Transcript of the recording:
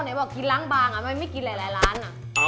แน่พอกกินล้างบางอ่ะมันไม่กินหลายร้านอ่ะ